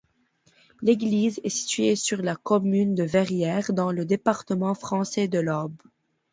L'église est située sur la commune de Verrières, dans le département français de l'Aube.